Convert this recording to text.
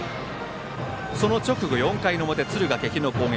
その直後、４回の表敦賀気比の攻撃。